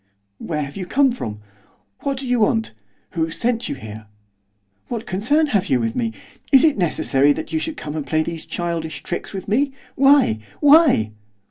'Where have you come from? what do you want? who sent you here? what concern have you with me? is it necessary that you should come and play these childish tricks with me? why? why?